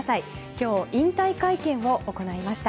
今日、引退会見を行いました。